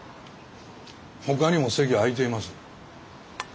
ほかにも席空いています。